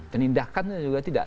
penindakan juga tidak